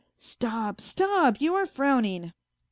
... Stop, stop ! you are frowning.